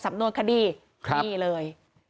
สำนวนคดีนี่เลย